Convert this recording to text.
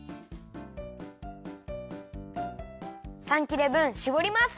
３切れぶんしぼります！